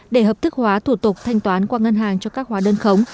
để hợp thức hóa thủ tục thanh toán qua ngân hàng cho các hóa đơn khống